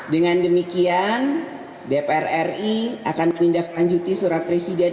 dengan demikian dpr ri akan menindaklanjuti surat presiden